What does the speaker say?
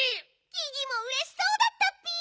ギギもうれしそうだったッピ。